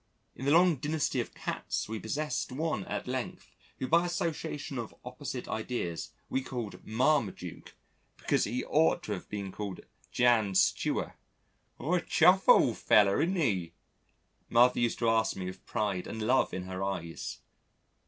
In the long dynasty of cats we possessed one at length who by association of opposite ideas we called Marmaduke because he ought to have been called Jan Stewer. "A chuff old feller, 'idden 'ee?" Martha used to ask me with pride and love in her eyes.